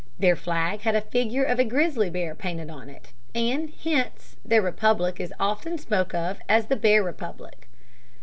Their flag had a figure of a grizzly bear painted on it, and hence their republic is often spoken of as the Bear Republic.